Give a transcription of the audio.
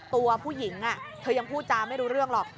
ตัวผู้หญิงเธอยังพูดจาไม่รู้เรื่องหรอก